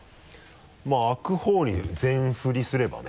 まぁ開くほうに全振りすればね。